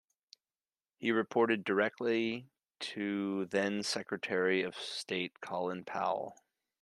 He reported directly to then Secretary of State Colin Powell.